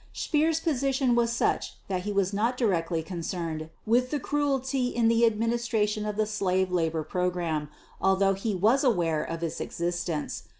Speer's position was such that he was not directly concerned with the cruelty in the administration of the slave labor program, although he was aware of its existence.